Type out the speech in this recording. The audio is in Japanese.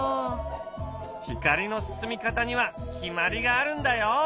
光の進み方には決まりがあるんだよ。